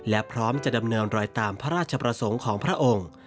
และพร้อมจะดำเนินรอยตามพระราชประสงค์ของพระองค์